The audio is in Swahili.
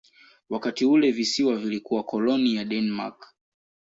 Wakati ule visiwa vilikuwa koloni ya Denmark.